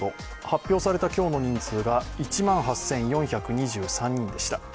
発表された今日の人数が１万８４２３人でした。